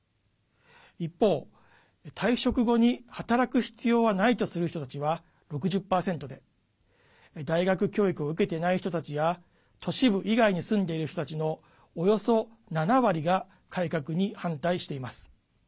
一方、退職後に働く必要はないとする人たちは６０％で大学教育を受けていない人たちや都市部以外に住んでいる人たちのおよそ７割が改革に反対しています。